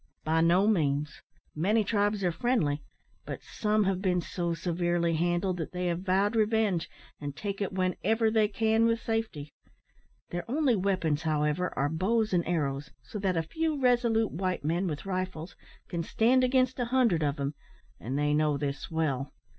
"By no means. Many tribes are friendly, but some have been so severely handled, that they have vowed revenge, and take it whenever they can with safety. Their only weapons, however, are bows and arrows, so that a few resolute white men, with rifles, can stand against a hundred of them, and they know this well.